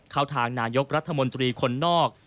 เข้าทางนายกรัฐมนตรีคนนอก